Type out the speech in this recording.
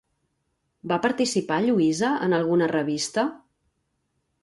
Va participar Lluïsa en alguna revista?